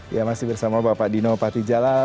ya masih bersama pak dino pak tijalal